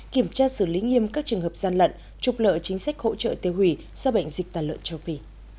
kiểm tra xử lý nghiêm các trường hợp gian lận trục lợi chính sách hỗ trợ tiêu hủy do bệnh dịch tàn lợn châu phi